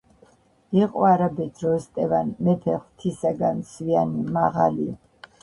იყო არაბეთ როსტევან მეფე ხვთისაგან სვიანი მაღალი